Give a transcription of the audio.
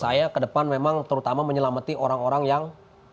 saya ke depan memang terutama menyelamati orang orang yang